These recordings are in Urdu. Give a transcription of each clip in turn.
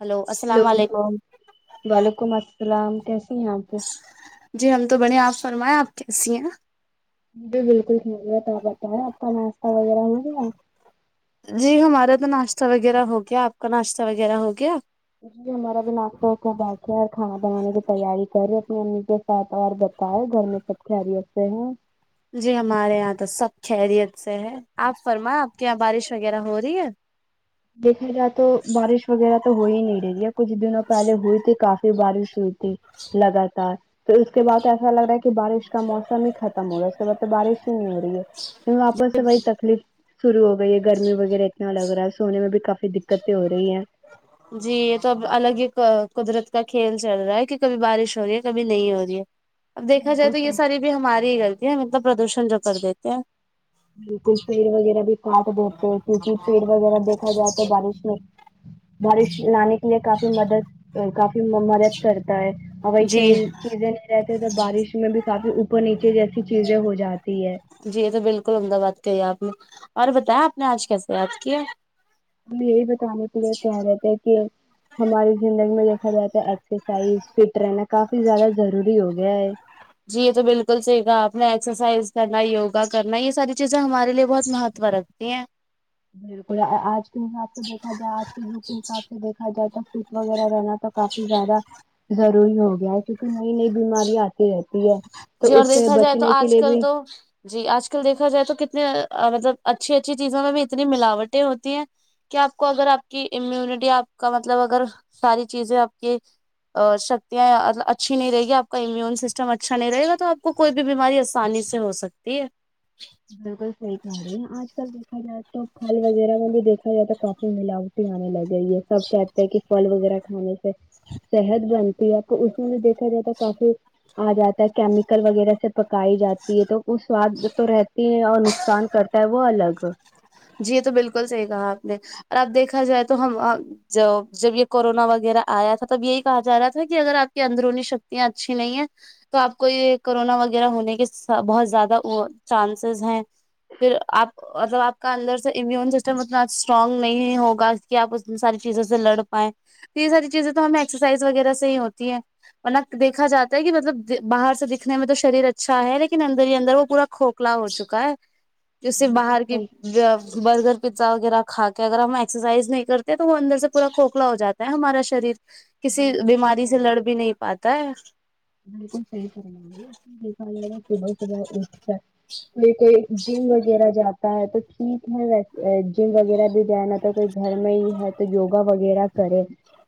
ہلو السلام ہیلو علیکم وعلیکم السلام کیسی ہیں جی ہم تو بنے آپ فرمائے آپ کیسی ہیں ہم بھی بالکل ٹھک ہے تو آپ بتا آپ کا ناشتہ وغیرہ ہو گیا جی ہمارا تو ناشتہ وغیرہ ہو گیا آپ کا ناشتہ وغیرہ ہو گیا جی ہمارا بھی آپ خوب بیٹھے اور کھانا بنانے کی تیاری کر رہے اپنی امی کے ساتھ اور بت اے ہے گھر میں سب خیریت سے ہیں جی ہمارے یہاں تو سب خیریت سے ہے آپ فرما آپ کے یہاں بارش وغیرہ ہو رہی ہے دیکھا جائے تو بارش وغیرہ تو ہو ہی نہیں رہی ہے کچھ دنوں پہلے ہوئی تھی کافی بارش ہوئی ت ی لگاتار پھر اس کے بعد ایسا لگ رہا ہے کہ بارش اس کا موسم ہی ختم ہو رہا ہے اس کے بعد تو بارش ہی نہیں ہو رہی ہے کیہ آپس سے وہی تکلیف شروع ہو گئی ہے گرمی وغیرہ اتنا لگ رہا ہے سونے میں بھی کافی دقتیں ہو رہی ہیں جی یہ تو اب الگ ہی قدرت کا کھیل چل رہا ہے کہ کبھی بارش ہو رہی ہے کبھی نہیں ہو رہی ہے اب دیکھا جائے بالکل تو یہ صحیح ساری بھی ہماری ہی غلطی ہے مطلب پردوشن جو کر دیتے ہیں بالکل پیڑ وغیرہ بھی کاٹ دیتے کیونکہ پیڑ وغیرہ دیکھا جائے تو بارش میں بارش لانے کے لیے کافی مدد کافی مدد کرتا ہے ہوائی جی چہی چیزیں نہیں رہتی تو بارش میں بھی کافی اوپر نیچے جیسی چیزیں ہو جاتی ہے جی یہ تو بالکل عمدہ بات کہی آپ نے اور بتایا آپ نے آج کیسے یاد کیا ہم یہی بتانے کے لیے کہ رہتے ہیں کہ ہماری زندگی میں دیکھا جاتا ایکسرسائز فٹ رہنا کافی زیادہ ضروری ہو گیا ہے جی یہ تو بالکل صحیح کہا آپ نے ایکسرسائز کرنا یوگا کرنا رکھتی ہیں بالکل آج کے حساب سے دیکھا جائے آج کے یگ کے حساب سے دیکھا جائے تو فٹ وغیرہ رہنا تو کافی زیادہ ضروری ہو گیا ہے کیونکہ نئی نئی بیماری آتی رہتی ہے تو جی اور اس سے دیکھا جائے تو بچنے کے آج لیے کل بھی تو جی آج کل دیکھا جائے تو کتنے مطلب اچھی اچھی چیزوں میں بھی اتنی ملاوٹیں ہوتی ہیں کیا آپ کو اگر آپ کی امیونٹی آپ کا مطلب اگر ساری چیزیں آپ کی شکتیاں اچھی نہیں رہے گی آپ کا امیون سسٹم اچھا اچھا نہیں رہے گا تو آپ کو کوئی بھی بیماری آسانی سے ہو سکتی ہے بالکل صحیح کہہ رہی ہیں آج کل دیکھا جائے تو پھل وغیرہ میں بھی دیکھا جائے تو کافی ملاوٹی آنے لگی یہ سب کہ فھل وغیرہ کھانے سے صحت بنتی ہے تو اس میں بھی دیکھا جائے تو ہے کافی آجاتا ہے کیمیکل وغیرہ سب پکائی جاتی ہے تو وہ سواد تو رہتے ہیں اور نقصان کرتا ہے وہ الگ جی یہ تو بالکل صحیح کہا آپ نے اور اب دیکھا جائے تو ہم جب جب یہ کورونا وغیرہ آیا تھا تب یہی کہا جا رہا تھا کہ اگر آپ کی اندرونی شکتیاں اچھی نہیں ہیں تو آپ کو یہ کرورونا وغیرہ ہونے کے بہت زیادہ چانسز ہیں پھر آپ آپ کا اندر سے امیون سسٹم اتنا اسٹرانگ نہیں ہوگا کہ آپ ان ساری چیزوں سے لڑ پائے تو یہ ساری چیزیں تو ہمیں ایکسرسائز وغیرہ سے ہی ہوتی ہے دیکھا جا ہے کہ مطلب باہر سے دکھنے میں تو شریر اچھا ہے لیکن اندر ہی اندر وہ پورا کھ کلا ہو چکا ہے جسے بالکل باہر کی صحیح برگر پزا وغیرہ کھا کے اگر ہم ایکسرسائز نہیں کرتے تو وہ اندر سے پورا کھکھلا ہو جاتا ہمارا شریر کسی بالکل صحیح بیماری کہہ سے رہے لڑ بھی ہیں نہیں پاتا ہے بالکل صحی فرما رہی ہو جی صبح صبح اٹھتا کوئی کوئی جم وغیرہ جاتا ہے تو ٹھیک ہے ویسے جم وغیرہ بھی جا اگر کوئی گھر میں ہی ہے تو یوگا وغیرہ کرے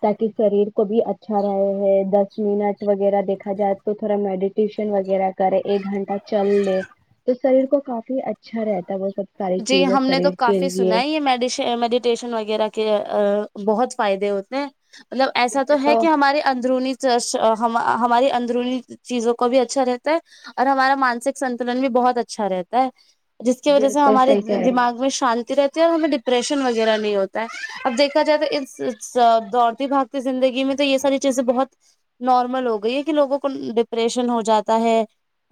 تاکہ شریر کو بھی اچھا رہے ہے دس منٹ وغیرہ دیکھا جات تو تھوڑا میڈیٹیشن وغیرہ کرے ایک گھنٹہ چل لے تو شریر کو کافی اچھا رہتا ہے وہ سب ساری جی چیزیں ہم نے تو شریر کے کافی سنا لیے ہے یہ مدیشا مدی ٹیشن وغیرہ کے بہت فائدے ہوتے ہیں مطلب اس ایسا تو سے ہے کہ ہمارے اندرونی ہماری اندرونی چیزوں کو بھی اچھا رہتا ہے اور ہمارا مانسک سنتولن بھی بہت اچھا رہتا ہے جس کی وجہ سے بالکل ہمارے صحیح کہہ رہی دماغ میں شانتی رہتی ہے اور ہمیں ڈپریشن وغیرہ نہیں ہوتا ہے اب دیکھا جائے تو اس دوڑتی بھاگ زندگی میں تو یہ ساری چیزیں بہت نارمل ہو گئی ہے کہ لوگوں کو ڈپریشن ہو جاتا ہے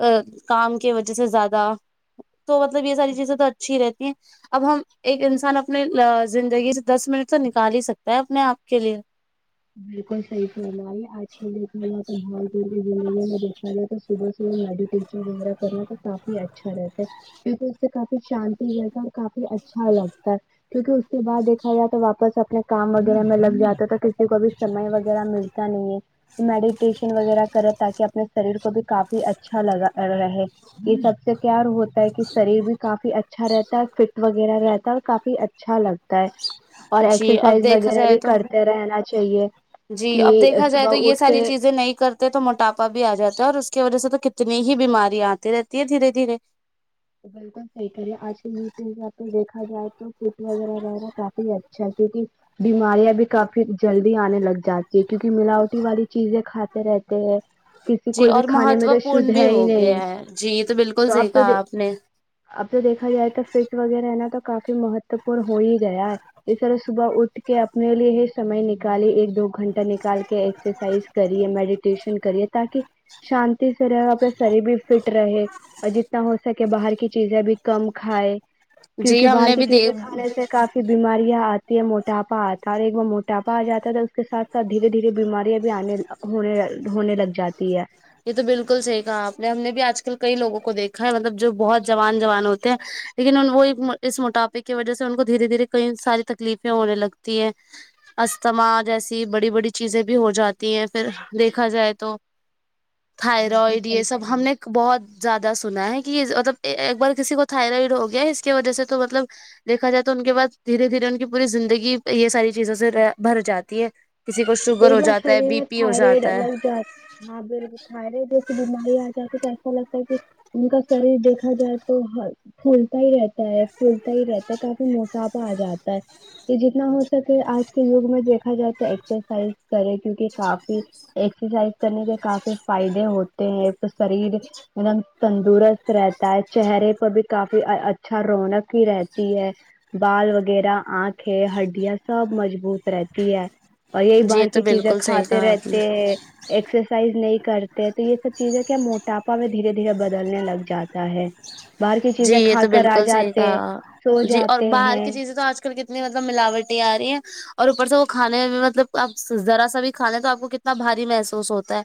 ا کام کی وجہ سے زیادہ تو مطلب یہ ساری چیزیں تو اچھی رہتی ہیں اب ہم ایک انسان اپنے زندگی سے دس منٹ تو نکال ہی سکتا ہے اپنے آپ کے لیے بالکل صحیح فرمائی آج کل دیکھا جا تو بہت دی زموں میں دیکھا جا تو صبح صبح میڈیٹیشن وغیرہ کرنا تو کافی اچھا رہتا ہے اس سے کافی شانتی رہتا اور کافی اچھا لگتا کیونکہ اس کے بعد دیکھا جائے تو واپس اپنے کام وغیرہ میں لگ جاتا ہے تو کسی کو ابھی سمے وغیرہ ملتا نہیں میڈیٹیشن وغیرہ کریں تاکہ اپنے شریر کو بھی کافی اچھا لگا رہے یہ سب سے کیایار ہوتا تا ہے کہ شریر بھی کافی اچھا رہتا ہے فٹ وغیرہ رہتا ہے اور کافی اچھا لگتا ہے اور جی اب ایکسرسائز دیکھا وغیرہ جائے بھی تو کرتے رہ نا چاہیے جی کہ اب دیکھا جائے تو صبح یہ اٹھ ساری کے چیزیں نہیں کرتے تو موٹاپا بھی آ جاتا ہے اور اس کی وجہ سے تو کتنی ہی بیمارییا آتی رہتی ہے دھیرے دھیرے تو بالکل سہی کہ رہی ہے آج کل یوٹیوب جاں پہ دیکھا جائے تو سٹ وغیرہ رہنا کافی اچھا ہے کیونکہ بیماریاں بھی کافی جلدی آنے لگ جاتی ہے کیونکہ ملاوٹی والی چیزیں کھاتے رہتے ہیں کسی جی کوئی بھی اور کھانے میں مہتو تو شھد پورن بھی ہے ہی ہو نہیں گیا ہے جی یہ بالکل تو اب صحیح تو کہا آپ نے اب تو دیکھا جائے تو فٹ وغیرہ ہے نا تو کافی مہتوپورن ہو ہی گیا ہے اس طرح صبح اٹھ کے اپنے لیے ہی سمے نکالی ایک دو گھنٹہ نکال کے ایکسرسائز کریے میڈیٹیشن کریے تاکی شانتی سے رہ اپنا شریر بھی فٹ رہے اور جتنا ہو سکے کہ باہر کی چیزیں بھی کم کھائے جی کیونکہ ہم باہر نے کی بھی چیزیں دیکھ کھانے سے کافی بیماریاں آتی ہے موٹاپا آتا ہے اور ایک بار موٹاپا آ جا تھا اس کے ساتھ دھیرے دھیرے بیماریاں بھی آنے ہونے ہونے لگ جاتی ہے یہ تو بالکل صحیح کہا آپ نے ہم نے بھی آج کل کئی لوگوں کو دیکھا ہے مطلب جو بہت جوان جوان ہوتے ہیں لیکن ان وہ اس موٹاپے کی وجہ سے ان کو دھیرے دھیرے کئی ساری تکلیفیں ہونے لگتی ہے استھما جیسی بڑی بڑی چیزیں بھی ہو جاتی ہیں پھر دیکھا جائے تو بالکل تھائرائڈ یہ صحیح سب کریں ہم گے نے بہت زیادہ سنا ہے کہ مطلب ایک بار کسی کو تھائرائڈ ہو گیا ہے اس کی وجہ سے تو مطلب دیکھا جائے تو ان کے بعد دھیرے دھیرے ان کی پوری زندگی یہ ساری چیزوں سے بھر جاتی ہے کسی کو شوگر ایک ہو بار جاتا ہے شریر بی میں پی ہو تھائرائڈ جاتا ہے الگ جاتا ہاں بالکل تھائیریڈ جیسے بیماری آجاتی تو ایسا لگتا کہ ان کا شریر دیکھا جائے تو پھولتا ہی رہتا ہے پلتا ہی رہتا ہے کافی موٹا آ جاتا ہے یہ جتنا ہو سکے آج کے دور میں دیکھا جاتا ہے ایکسرسائز کریں کیونکہ کافی ایکسرسائز کرنے کے کافی فائدے ہوتے ہیں شریر ایک دم تندرست رہتا ہے چہرے پر بھی کافی اچھا رونق ہی رہتی ہے بال وغیرہ آنکھیں ہڈیا سب مضبوط رہتی ہے اور یہی جی یہ باہر تو کی چیزیں بالکل صحیح کھاتے کہا آپ نے رہتے ہیں ایکسرسائز نہیں کرتے تو یہ سب چیزیں کیا موٹاپا میں دھیرے دھیرے بدلنے لگ جاتا ہے باہر کی جی چیزیں یہ کھا تو کر آ بالکل صحیح جاتے کہا سو جی اور جاتے باہر ہیں کی چیزیں تو آج کتنی مطلب ملاوٹیں آ رہی ہیں اور اوپر سے وہ کھانے میں مطلب آپ ذرا سا بھی کھا لیں تو آپ کو کتنا بھاری محسوس ہوتا ہے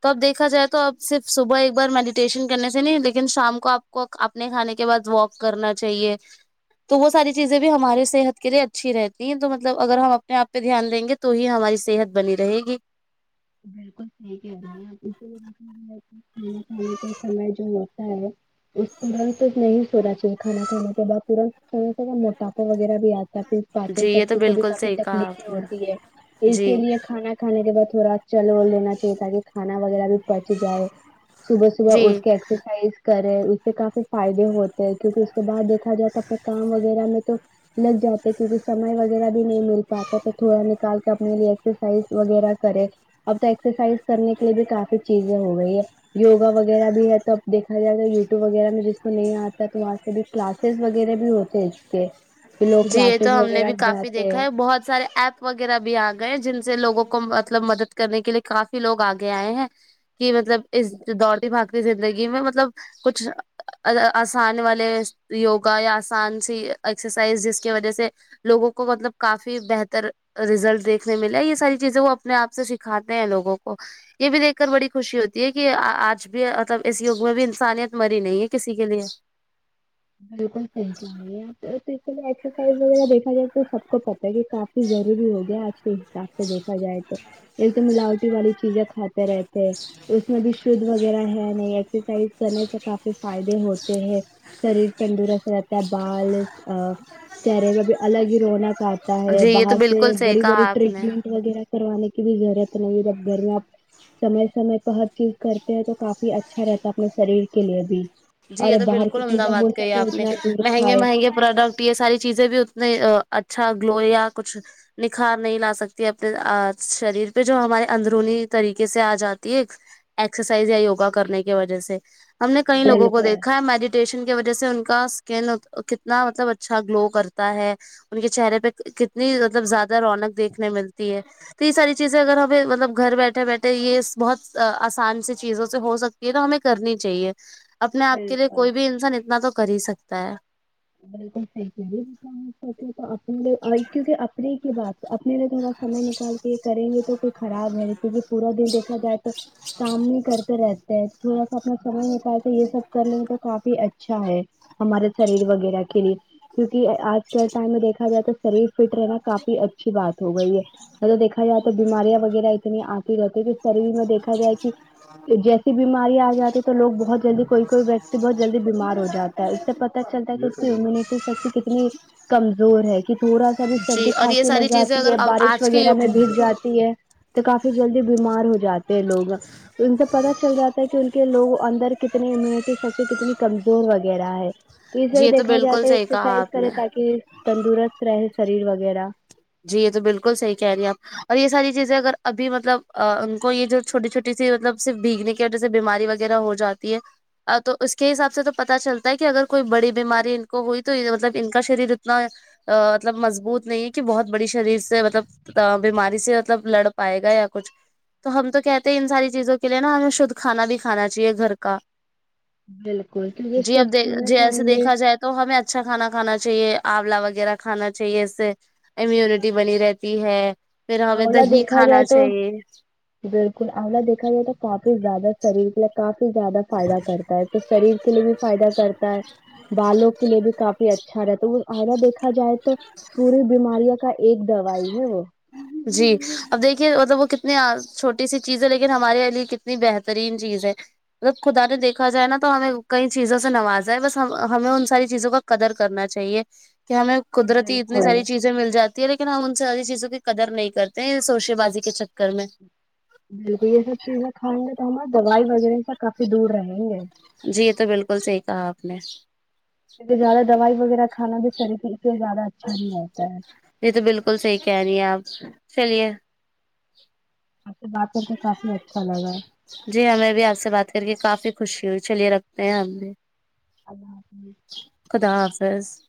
تو اب دیکھا جائے تو اب صرف صبح ایک بار میڈیٹیشن کرنے سے نہیں لیکن شام کو آپ کو آپ نے کھانے کے بعد واک کرنا چاہیے تو وہ ساری چیزیں بھی ہماری صحت کے لیے اچھی رہتی ہیں تو مطلب اگر ہم اپنے اپئے دھیان دیں گے تو تو ہی ہماری صحت بنی رہے گی بالکل صحیح کہہ رہی ہیں آپ کھانا کھانے کے سمے جو ہوتا ہے اس ترنت نہیں تھوڑا سا کھانا کھانے کے بعد پورا تھوڑا سا موٹاپا وغیرہ بھی آتا جی یہ تو [unintelligible] کو بھی بالکل کافی صحیح کہا تکلیفیں آپ نے ہوتی ہے اسی جی لیے کھانا کھانے کے بعد تھوڑا چل ول لینا چاہیے تاکہ کھانا وغیرہ بھی پہنچ جائے صبح صبح اٹھ جی کے ایکسرسائز کرے اس سے کافی فائدے ہوتے ہیں کیونکہ اس کے بعد دیکھا جائے تو اپنے کام وغیرہ میں تو لگ جاتے کیونکہ سمے وغیرہ بھی نہیں مل پاتا تو تھوڑا نکال کے اپنے لیے ایکسرسائز وغیرہ کرے اب تو ایکسرسائز کرنے کے لیے بھی کافی چیزیں ہو گئی ہے یوگا وغیرہ بھی ہے تو اب دیکھا جائے گا یوٹیوب وغیرہ میں جس کو نہیں آتا ہے تو وہاں سے بھی کلاسز وغیرہ بھی ہوتے کے کہ لوگ جی یہ کلاسز تو ہم نے وغیرہ بھی کافی جاتے دیکھا ہیں ہے بہت سارے ایپ وغیرہ بھی آ گئے جن سے لوگوں کو مطلب مدد کرنے کے لیے کافی لوگ آگے آئے ہیں کی مطلب اس ڈورتی بکھتی رندگی میں مطلب کچھ آسان والے یوگا یا آسان سی ایکسرسائز سائز جس کی وجہ سے لوگوں کو مطلب کافی بہتر ریزلٹ دیکھنے میلہ یہ ساری چیزیں وہ اپنے آپ سے سکھاتے ہیں لوگوں کو یہ بھی دیکھ کر بڑی خوشی ہوتی ہے کہ آج بھی مطلب اس یگ میں بھی انسانیت میری نہیں ہے کسی کے لیے بالکل ٹھیک جائے اس سمے ایکسرسائز وغیرہ دیکھا جائے تو سب آپ کو پتا ہے کہ کافی ضروری ہو گیا آج کے حساب سے دیکھا جائے تو ایک تو ملاوٹی والی چیزیں کھاتے رہتے ہیں اس میں بھی شدھ وغیرہ ہے نہیں ایکسرسائز کرنے سے کافی فائدے ہوتے ہیں شریر تندرست رہتا ہے بال چہرے کا بھی الگ ہی روناک آتا لیے ہے جی یہ تو باہر سے بالکل صحیح بڑی بڑی کہا آپ نے ٹریٹمنٹ وغیرہ کروانے کی بھی ضرورت نہیں ہے جب گھر میں آپ سمے سمے پر ہر چیز کرتے ہیں تو کافی اچھا رہتا اپنے شریر کے لیے بھی جی اور یہ تو باہر بالکل کی عمدہ چیزیں ہو بات کہی سکے آپ نے اتنا دور مہنگے کھائے مہنگے یہ پروڈکٹ یہ ساری چیزیں بھی اتنے اچھا گلو یا کچھ نکھار نہیں لا سکتی اپنے شریر پہ جو ہمارے اندرونی طریقے سے آ جاتی ہے ایکسرسائز یا یوگا کرنے کی وجہ سے ہم نے کئی لوگوں کو بالکل دیکھا میڈیٹیشن کی وجہ سے ان کا اسکن کتنا مطلب اچھا گلو کرتا ہے ان کے چہرے پہ کتنی مطلب زیادہ رونق دیکھنے ملتی ہے تو یہ ساری چیزیں اگر ہمیں مطلب گھر بیٹھے بیٹھے یہ بہت آسان سے چیزوں سے ہو سکتی یہ تو ہمیں کرنی چاہیے اپنے آپ کے لیے بالکل کوئی بھی انسان اتنا تو کر ہی سکتا ہے بالکل تو اپنے کیونکہ اپنے کی بات اپنے لیے تھوڑا سمے نکال کے کریں گے تو کوئی خراب ہے کیونکہ پورا دن دیکھا جائے تو کام نہیں کرتے رہتے ہیں تھوڑا سا اپنا سمے نکال کے یہ سب کر لیں گے تو کافی اچھا ہے ہمارے شریر وغیرہ وغیرہ کے لی کیوںکہ آج کل ٹائم میں دیکا جائے تو شریر فٹ رہنا کافی اچھی بات ہو گئی ہے مطلب دیکا جائے تو بیماریاں وغیرہ اتنی آتی رہتی پ شریر میں دیکھا جائے کہ جیسے بیماری آ جاتی ہے تووگ بہت جلدی کوئی کوئی ویکتی بہت جلدی بیمار جات ہے اس سے پتا چلتا ہے ٹی سکتی کتنی کمزور ہے کہ تھوڑا سا بھی جی سردی اور یہ کھانسی لگ ساری چیزیں جاتی اگر ہے بارش آج کے وغیرہ میں یگ بھیگ جاتی ہے تو کافی جلدی بیمار ہو جاتے ہیں لوگ تو ان سے پتتا چل جاتا ہے کہ ان کے لوگ اندر کتنی امیونٹی سختی کتنی کمزور وغیرہ ہے جی توے یہ دیکھا جائے بالکل تو صحیح کہا ایکسرسائز آپ کرے نے تاکہ تندرست رہے شریر وغیرہ جی یہ تو بالکل صحیح کہہ رہی آپ اور یہ ساری چیزیں اگر ابھی مطلب ان کو یہ جو چھوٹی چھوٹی سی مطلب صر بھیگنے کی وجہ سے بیماری وغیرہ ہو جاتی ہے ا تو اس کے حساب سے تو پتتا چلتا ہے کہ اگر کوئی بڑی بیماری ان کو ہوئی تو مطلب ان کا شریر اتنا مطلب مضبوط نہیں کہ بہت بڑی شریر سے مطلب بیماری سے مطلب لڑ پائے گا یا کچھ تو ہم تو کہتے ہیں ان ساری چیزوں کے لیے نا ہمیں شھ کانا بھی کانا چاہیے گھر کا بالکل کیونکہ جی اب شدھ دیک کھانا جی ایسے کھائیں گے دیکھا جائے تو تو ہمیں اچھا کھانا کھانا چاہیے آولا وغیرہ کھانا چاہیے اس سے امیوونٹی بنی رہتی ہے پھر ہمیں اولا دہی دیکھا جائے کھانا تو چاہیے بالکل الہ دیکا جائے تو کافی زیادہ شریر کے لی کافی زیادہ فائدہ کرتا ہے تو شریر کے لیے بھی فائدہ کرتا ہے بالوں کے لیے بھی کافی اچھا رہ تو وہ آئرہ دیکھا جائے تو پوری بیماریاں کا ایک دوائی ہے وہ جی اب دیکھیے مطلب وہ کت نہیںاں چھوٹی سی چیزیں لیکن ہمارے یہ لیے کتنی بہترین چیز ہے مطلب خدا نے دیکھا جائے نا تو ہمیں کئی چیزوں سے نوازاائے بس ہمیں ان ساری چیزوں کا قدر کرنا چاہیے کہ ہمیں قدرتی اتنی بالکل ساری چیزیں مل جاتی ہے لیکن ہم ان سے ساری چیزوں کی قدر نہیں کرتے ہیں سوشے بازی کے چکر میں بالکل یہ سب چیزیں کھائیں گے تو ہمار دوائی وغیرہ س کافی دور رہیں گے جی یہ تو بالکل صحیح کہا آپ نے کیہ زیادہ دوائی وغیرہ کھانا بھی طریف سے اس لیے زیادہ اچھا نہیں رہگتا ہے یہ تو بالکل صحیح کہہ رہی ہیں آپ چلیے اب سے بات کرتے کافی اچھا لگا جی ہمیں بھی آپ سے بات کر کے کافی خوشی ہوئی چلیے رکھتے ہیں ہم بھی اللہ حافظ خدا حافظ